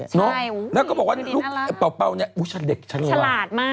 ใช่แล้วก็บอกว่าลูกเป่านี่ชาติเด็กชะลาด